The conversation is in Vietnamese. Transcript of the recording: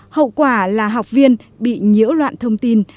hậu quả là học viên bị nhiễu loạn thông tin